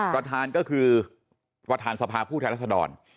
ประธานก็คือประธานสภาผู้แทนรัศดร